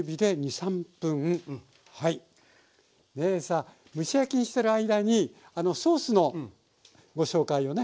でさあ蒸し焼きにしてる間にソースのご紹介をねお願いしましょう。